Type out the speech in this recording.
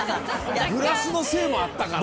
グラスのせいもあったかな。